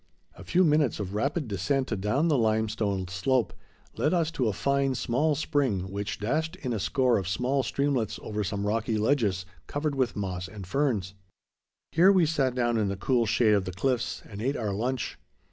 A few minutes of rapid descent down the limestone slope led us to a fine, small spring, which dashed in a score of small streamlets over some rocky ledges covered with moss and ferns. Here we sat down in the cool shade of the cliffs and ate our lunch.